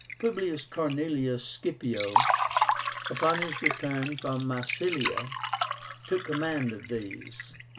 Publius Cornelius Scipio, upon his return from Massilia, took command of these.